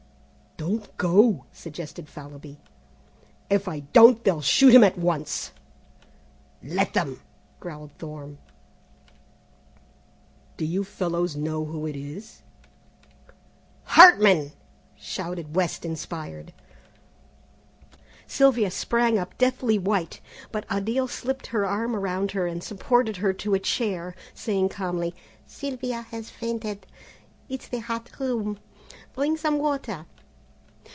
"Don't go," suggested Fallowby. "If I don't they'll shoot him at once." "Let them," growled Thorne. "Do you fellows know who it is?" "Hartman!" shouted West, inspired. Sylvia sprang up deathly white, but Odile slipped her arm around her and supported her to a chair, saying calmly, "Sylvia has fainted, it's the hot room, bring some water."